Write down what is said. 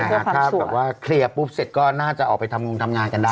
ถ้าแบบว่าเคลียร์ปุ๊บเสร็จก็น่าจะออกไปทำงงทำงานกันได้